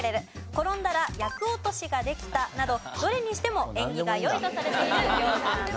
転んだら厄落としができたなどどれにしても縁起が良いとされている行事なんです。